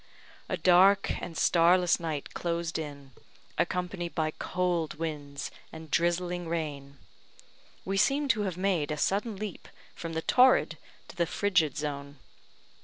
A dark and starless night closed in, accompanied by cold winds and drizzling rain. We seemed to have made a sudden leap from the torrid to the frigid zone.